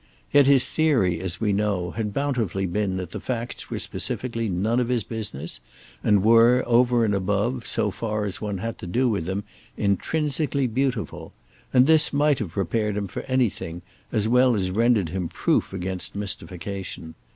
Yet his theory, as we know, had bountifully been that the facts were specifically none of his business, and were, over and above, so far as one had to do with them, intrinsically beautiful; and this might have prepared him for anything, as well as rendered him proof against mystification.